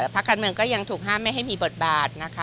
พักการเมืองก็ยังถูกห้ามไม่ให้มีบทบาทนะคะ